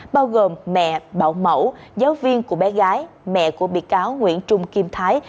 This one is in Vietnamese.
bao gồm mẹ bảo mẫu giáo viên của bé gái mẹ của bị cáo nguyễn trung kim thái